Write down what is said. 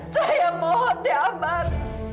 saya mohon diamban